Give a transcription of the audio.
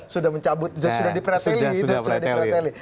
sudah mencabut sudah diperateli